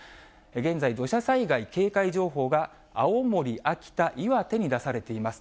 現在、土砂災害警戒情報が青森、秋田、岩手に出されています。